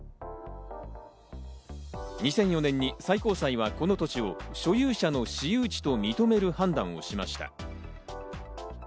２００４年に最高裁はこの土地を所有者の私有地と認める判断をしました。